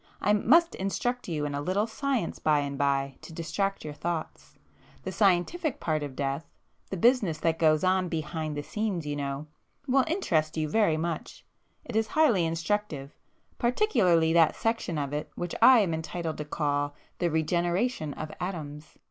I must instruct you in a little science by and by, to distract your thoughts. The scientific part of death,—the business that goes on behind the scenes you know—will interest you very much—it is highly instructive, particularly that section of it which I am entitled to call the regeneration of atoms.